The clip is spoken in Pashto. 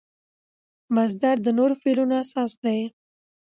مصدر د نورو فعلونو اساس دئ.